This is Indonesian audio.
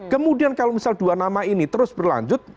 kemudian kalau misal dua nama ini terus berlanjut